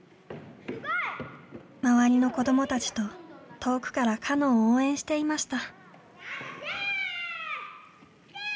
周りの子どもたちと遠くからかのを応援していました。